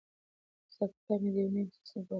حساب کتاب مې د یوې نوې سیسټم په واسطه تنظیم کړ.